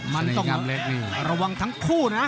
มันต้องระวังทั้งคู่นะ